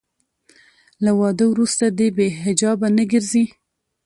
له واده وروسته دې بې حجابه نه ګرځي.